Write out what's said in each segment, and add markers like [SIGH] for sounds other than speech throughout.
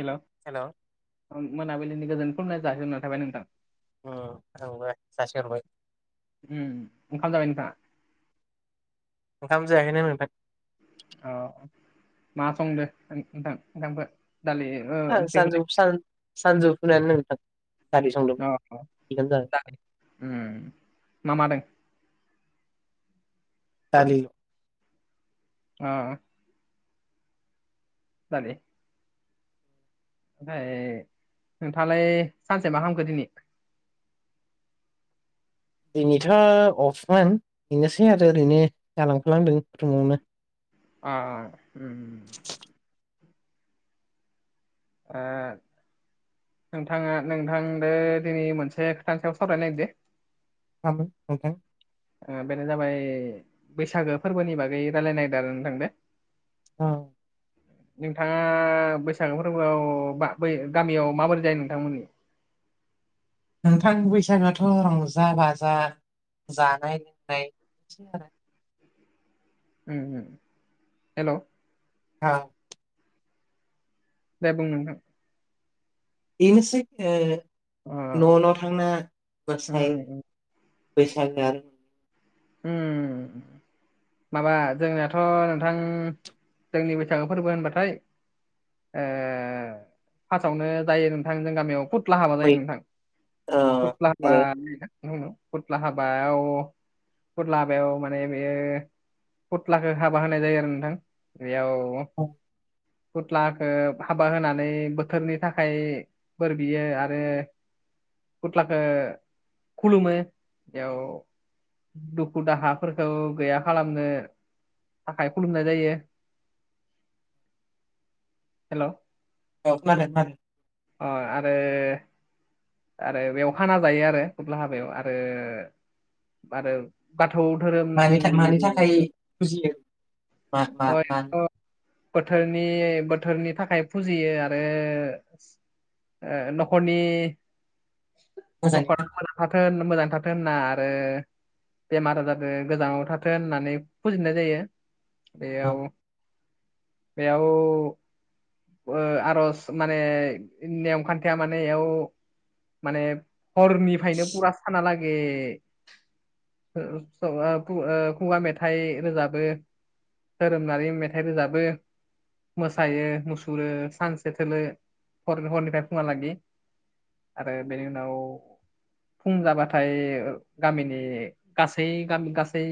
Hello. Hello मोनाबिलिनि गोजोन खुलुमनाय जासिहरनानै थाबाय नोंथां। उम आंबो जासि हरबाय उम ओंखाम जाबाय नोंथाङा। ओंखाम जायाखैनो नोंथां‌। औ मा संदो नोंथां नोंथांखौ दालि। ओ सानजुब सान सानजुफुनानो नोंथां दालि संदोंमोन अ बेखौनो जादों उम मा मा दों दालि अ जाने ओमफ्राय नोंथांङालाय सानसे मा खामखो दिनि? दिनैथ' अफमोन बिनोसै आरो ओरैनो जालांफालांदों रुमावनो। अ अ उम। ओ नोंथाङा नोंथांदो दिनै मोनसे खोथानि सायाव सावरायनो नागिरदों। मामोन नोंथां। बेनो जाबाय बैसागो फोरबोनि बागै रायलायनो नायगिरदो नोंथांदो। अ। नोंथाङा बैसागो फोरबोआव बा बै गामियाव माबोरै जायो नोंथांमोननि। नोंथां बैसागोआथ' रंजा-बाजा जानाय लोंनाय बेसै आरो उम हेल'। आ दे बुं नोंथां। बेनोसै ओ अ न' न' थांनो मोसायो। उम बैसाग दान। उम। माबा जोंनियाथ' नोंथां जोंनि बैसागो फोरबो होनबाथाय। ओ फार्टआवनो जायो नोंथां जों गामियाव बु फुथ्ला हाबा जायो बै नोंथां ओ फुथ्ला आरो हाबा फुथ्ला हाबायाव फुथ्ला हाबायाव माने बेयो फुथ्लाखौ हाबा होनाय जायो आरो नोंथां। बेयाव औ खुथ्लाखौ हाबा होनानै बोथोरनि थाखाय। बोर बियो आरो। खुथ्लाखौ खुलुमो बेयाव। दुखु दाहाफोरखौ गैया खालामनो थाखाय खुलुमनाय जायो। हेलौ। औ मार मार। अ आरो। आरो बेयाव खाना जायो आरो खुथ्ला हाबायाव आरो। आरो बाथौ धोरोमनि। खुसियो। अ बोथोरनि बोथोरनि थाखाय फुजियो आरो। ओ न'खरनि मोजाङै नखर। खोनादों थाथों मोजां थाथोंना आरो बेमार आजार गोजाङाव थाथों होननानै फुजिनाय जायो। औ बेयाव बेयाव। ओ आर'ज माने नेम खान्थिया मानेयाव माने। हरनिफ्रायनो बुरा साना लागै। ऐ [UNINTELLIGIBLE] खशखुगा मेथाइ रोजाबो। धोरोमनानै मेथाइ रोजाबो। मोसायो मुसुरो सानसे थोलो ह हरनिफ्राय फुङाहा लागि। आरो बेनि उनाव। फुं जाबाथाय गामिनि गासै गामि गासै।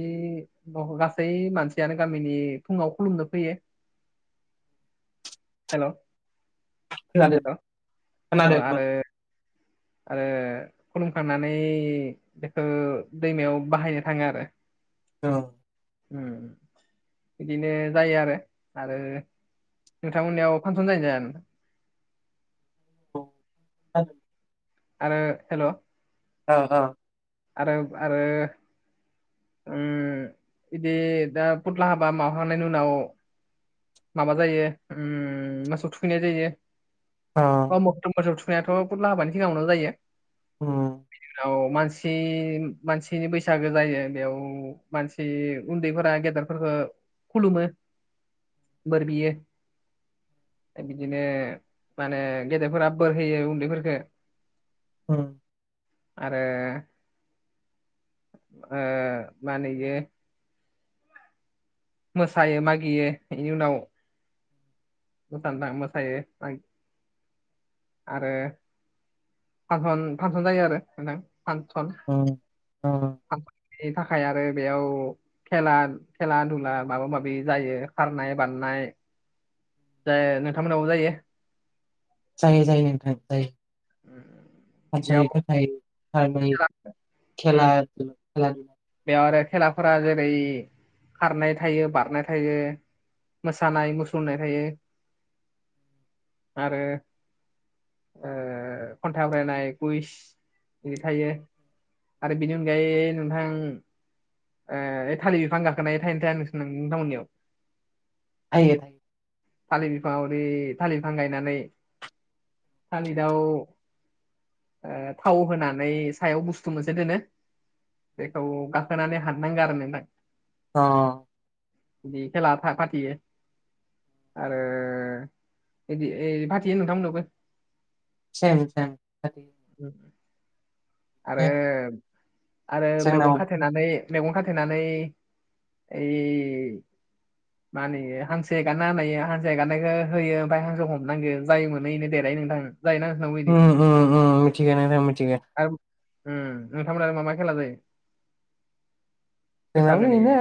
ओ गासै मानसियानो गामिनि फुङाव खुलुमनो फैयो। हेलौ खोनादों हलौ अ खोनादों खोनादों आरो। आरो। खुलुमखांनानै बेखौ दैमायाव बाहायनो थांङो आरो। औ। उम। बिदिनो जायो आरो। आरो नोंथां मोननियाव फांसन जायो जाया नोंथां? [UNINTELLIGIBLE] आरो हेलौ। ओ अ। आरोब आरो। उ बिदि दा फुथ्ला हाबा मावहांनायनि उनाव। माबा जायो उम मोसौ थुखैनाय जायो। अ मक्टमबसोर थुनायाथ' फुथ्ला हाबानि सिगाङावनो जायो। उम बिदिनि उनाव मानसि। मानसिनि बैसागो जायो बेयाव मानसि उन्दैफोरा गेदेरफोरखो खुलुमो बोरबियो। बिदिनो माने गेदेरफोरा बोर होयो उन्दैफोरफोरखो। उम। आरो। ओ माहोनयो। मोसायो मागियो बेनि उनाव। दथान दां मोसायो [UNINTELLIGIBLE] आरो फानसन फानसन जायो आरो नोंथां फानसन उम‌ उम फानसननि थाखाय आरो बेयाव खेला खेला‌ दुला माबा माबि जायो खारनाय बारनाय। जाय नोंथांमोनावबो जायो। जायो जायो नोंथां जायो फानसननि बेयाव थाखाय सानै खेला उम खेला दुलानि बेयाव आरो खेलाफोरा जेरै खारनाय थायो बारनाय थायो। मोसानाय मुसुरनाय थायो। आरो ओ खन्थाइ आवरायनाय कुइस बिदि थायो आरो बिनि अनगायै नोंथां। ओ ओय थालिर बिफां गाखोनाय थायोना थाया नोंसि नोंथांमोननियाव? [UNINTELLIGIBLE] थालिर बिफाङाव एरै थालिर बिफां गायनानै। थालिरआव ओ थाव होनानै सायाव बुस्थु मोनसे दोनो। बेखौ गाखोनानै हाननांगो आरो नोंथां। अ बिदि खेला फा-फाथियो। आरो इदि ओय फाथियो नोंथांमोननावबो सेम सेम फाथियो उम आरो आरो जोंनाव मेगन खाथे नानै मेगन खाथेनानै ओय मा होनोएये हांसो एगारना होनायो हांसो एगारनायखो होयो ओमफ्राय हांसोखो हमनांगोन। जायनो मोनो इनो देरहायो नोंथां जायोना नोंबो उम इदि? उम उम मिथिगो नोंथां मिथिगो। आरो उम नोंथांमोना मा मा खेला जायो? जोंनाबो बैसागोनि इनो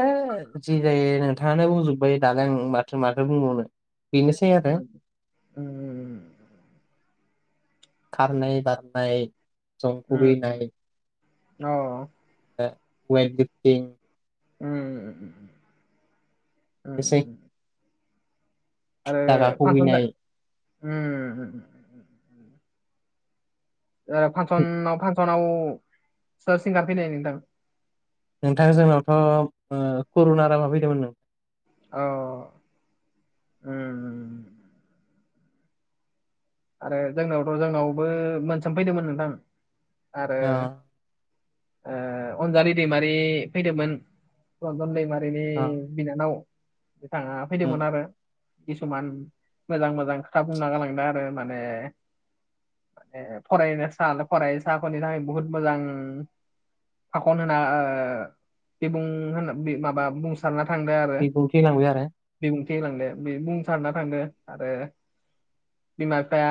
जि जायो नोंथाङानो बुंजोबबाय दालाय आं माथो माथो बुंबावनो। बिनोसै आरो उम खारनाय बारनाय जं उम खुबैनाय उम अ वेट गिफटिं उम उम उम एसे आरो दागा फानसन जा खुबैनाय उम उम ओ फानसनाव फानसनाव सोर सिंगार फैनाय नोंथां? नोंथां जोंनावथ' ओ करुना राबा फैदोंमोन नों औ उम आरो जोंनावथ' जोंनावबो मोनसोम फैदोंमोन नोंथां आरो अ ओ अनजालि दैमारि फैदोंमोन रनजन दैमारिनि अ बिनानाव बिथाङा उम फैदोंमोन आरो किसुमान मोजां -मोजां खोथा बुंना गालांदों आरो माने ने फरायनो फरायसाफोरनि थाखाय बहुत मोजां। भाखन होना ओ बिबुं होनो बि माबा बुं सारना थांदो आरो बिबुंथि होलांबाय आरो बिबुंथि होलांदो बे बुंसारना थांदो आरो बिमा बिफाया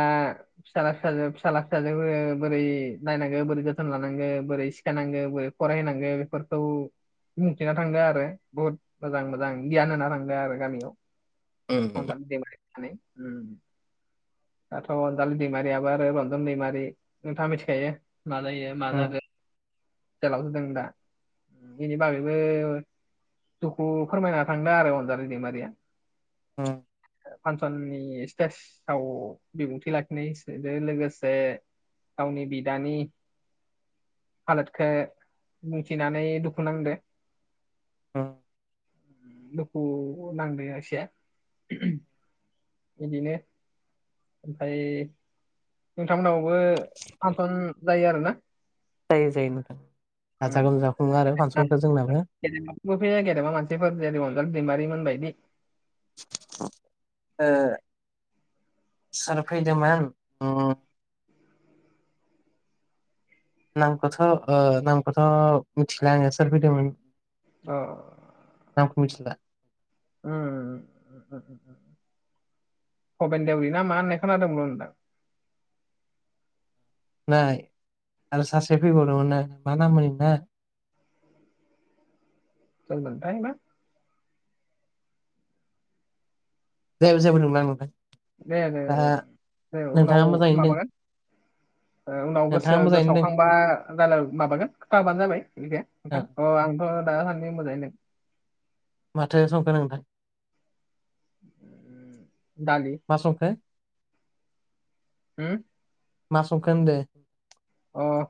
फिसाला फिसाजो फिसाला फिसाजोफोरखो बोरै नायनांगो बोरै जोथोन लानांगो बोरै सिखायनांगो बोरै फराय होनांगो बेफोरखौ बुंथिना थांदो आरो बुहुत मोजां मोजां गियान होना थांदो आरो गामियाव‌। उम [UNINTELLIGIBLE] दाथ' अनजालि दैमारियाबो आरो रन्जन दैमारि नोंथाङा मिथिखायो मा जायो मा उम जादों। जेलावसो दं दा बिनि बागैबो दुखु फोरमायना थांदों आरो अनजालि दैमारिया। उम। फान्सननि स्टेजाव बिबुंथि लाखिनायजो लोगोसे गावनि बिदानि हालोदखो मिथिनानै दुखुु नांदो। उम। दुखु नांदों एसे बिदिनो ओमफ्राय नोंथांमोनावबो फानसन जायो आरो ना जायो-जायो नोंथां गाजा गोमजा खुङो आरो फांसनखौ जोंनाबो। गेदेमा मानसिफोर जेरै अनजालि दैमारिमोन मोन बायदि ओ सोर फैदोंमोन उम नामखौथ' ओ नामखौथ' मिथिला आंङो सोर फैदोंमोन। औ नामखौ मिथिला। उम भबेन देवरि ना मा होननाय खोनादोंमोन आं नोंथां। जानाय आरो सासे फैबावदोंमोना मा नाम होनदों मोनथाय सोरमोनथाय ना दे जेबो नंला नोंथां। दे दे दा दे उनाव नोंथाङा मोजाङैनो दों माबागोन। ओ उनाव नोंथाङा गोसो मोजाङैनो गोसाव दों खांबा जालाय माबागोन खोथाहरबानो जाबाय बेदिखो। ओ नोंथां अह आंथ' दासान्दि मोजाङैनो दों। माथो संखो नोंथां। उम दालि मा संखो? हुम? मा संखो होनदो? अह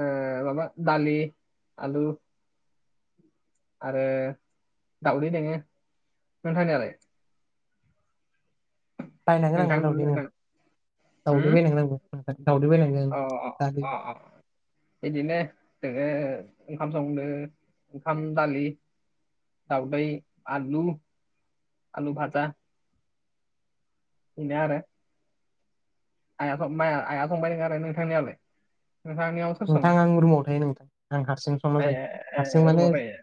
ओ माबा दालि आलु आरो दाउदै दोङो नोंथां नियालाय? बायनांगोन आंबो नोंथांमोन दाउदै नोंथां दाउदै होम बायनांगोन आंबो दाउदै बायनांगोन अ अ दालि अ अ बिदिनो जोङो ओंखाम संदो ओंखाम दालि दाउदै आलु, आलु भाजा बिनो आरो। आइआ सं माया आइया संबाय दं आरो नोंथांनियालाय? नोंथांनियाव सोर नोंथां सङो आं रुमाव थायो नोंथां आं हारसिं संना ए जायो ए हारसिं ए, माने रुमाव थायो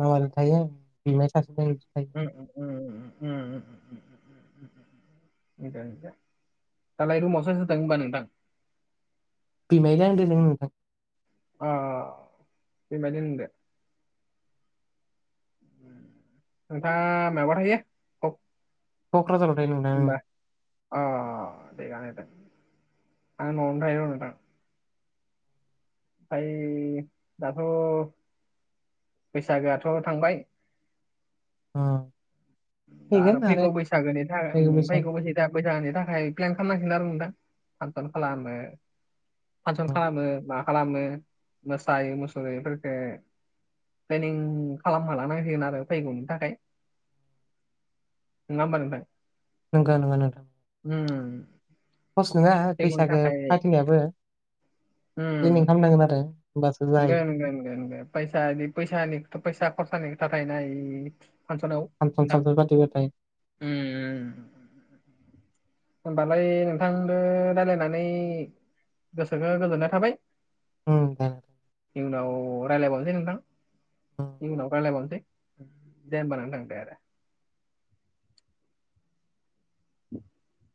मामाजों थायो बिमाय सासे दं बिजों थायो। उम उम उम उम। दालाय रुमाव सोर-सोर दं होमबा नोंथां? बिमाइदो आंदो दं नोंथां। अह अ अह बिमाइ दो नोंदो? उम। नोंथाङा मायावबा थायो? कक्राझाराव थायो नोंथां आंङो। अह थिगानो दे आं न'आवनो थायो नोंथां। ओमफ्राय दाथ' बैसागोआथ' थांबाय उम। दा आरो फैगौ बैसागोनि था ओम फैगौ बैसाग जाहा फैसानि थाखाय प्लेन खालामनांसिगोन आरो नोंथां फानसन खालामनो? फासन खालामो, मा खालामो मोसायो, मुसुर बेफोरफोरखौ प्लेनिं खालाम खालांनांसिगोन आरो फैगौनि थाखाय नङा होमबा नोंथां? नोंगौ नोंगो नोंथां ओम सहस्नङा बैसागो फाथिनायाबो, प्रेनिं खालामनांगोन आरो। होमबासो नोंगो, जाहैयो नोंगो, नोंगो, नोंगो, फैसा बिदि फैसानिथ फैसा खरसानि थाखायनो इ फांसनाव फान्सन सान्सन जाफ्लेबाय थायो। उम, उम, उम। होमबालाय नोंथांदो रायलायनानै गोसोखो गोजोननाय थाबाय [UNINTELLIGIBLE] इनि उनाव रायलायबावनोसै नोंथां। उम इनि उनाव रायलाय बावनोसै, दे होनबा नोंथां दे दे। [UNINTELLIGIBLE]